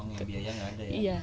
tbc nya seharusnya berarti ya